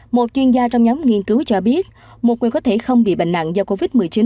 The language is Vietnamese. một chuyên gia trong nhóm nghiên cứu cho biết một quyền có thể không bị bệnh nặng do covid một mươi chín